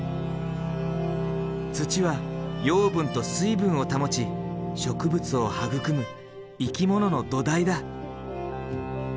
土は養分と水分を保ち植物を育む生き物の土台だ。